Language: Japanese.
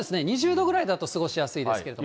２０度ぐらいだと過ごしやすいですけど。